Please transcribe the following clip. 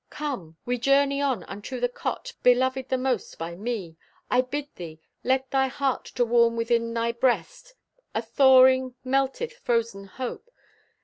Come! We journey on unto the cot Beloved the most by me. I bid thee Let thy heart to warm within thy breast. A thawing melteth frozen Hope.